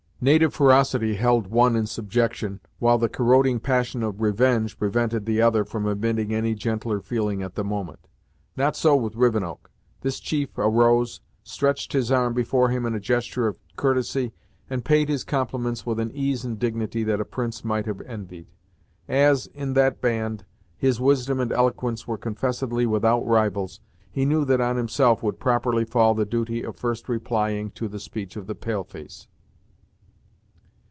Native ferocity held one in subjection, while the corroding passion of revenge prevented the other from admitting any gentler feeling at the moment. Not so with Rivenoak. This chief arose, stretched his arm before him in a gesture of courtesy, and paid his compliments with an ease and dignity that a prince might have envied. As, in that band, his wisdom and eloquence were confessedly without rivals, he knew that on himself would properly fall the duty of first replying to the speech of the pale face.